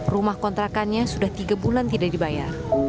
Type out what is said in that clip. rumah kontrakannya sudah tiga bulan tidak dibayar